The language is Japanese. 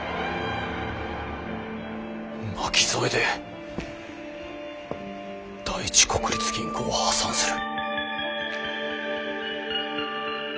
巻き添えで第一国立銀行は破産する！